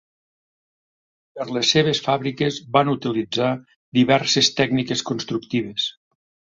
Per les seves fàbriques van utilitzar diverses tècniques constructives.